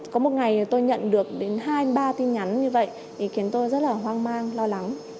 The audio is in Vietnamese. có một ngày tôi nhận được đến hai ba tin nhắn như vậy thì khiến tôi rất là hoang mang lo lắng